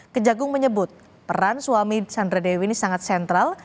kejagung menyebut peran suami sandra dewi ini sangat sentral